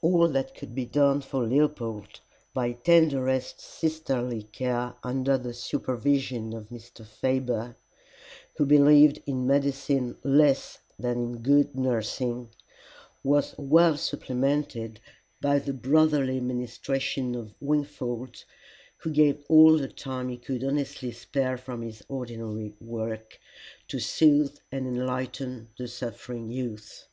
All that could be done for Leopold by tenderest sisterly care under the supervision of Mr. Faber, who believed in medicine less than in good nursing, was well supplemented by the brotherly ministrations of Wingfold, who gave all the time he could honestly spare from his ordinary work to soothe and enlighten the suffering youth.